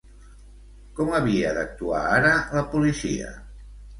Com havia d'actuar ara la policia?